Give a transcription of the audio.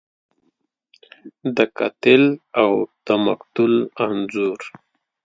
د قاتل او د مقتول انځور